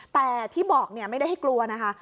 แต่ที่บอกไม่ได้ให้กลัวนะคะ